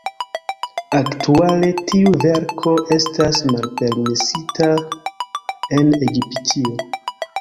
Aktuale tiu verko estas malpermesita en Egiptio.